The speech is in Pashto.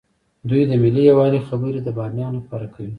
دوی د ملي یووالي خبرې د بهرنیانو لپاره کوي.